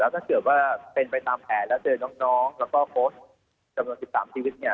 แล้วถ้าเกิดว่าเป็นไปตามแผลแล้วเจอน้องน้องแล้วก็โค้ชจำนวนสิบสามทีวิตเนี้ย